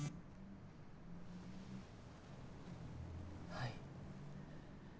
はい。